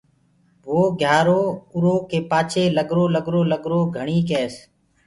وو گھِيارو اُرو ڪي پآڇي لگرو لگرو لگرو گھڻي ڪيس۔